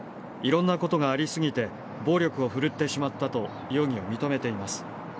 いろんなことがありすぎて、暴力をふるってしまったと容疑を認めています。